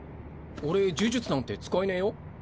俺呪術なんて使えねぇよ。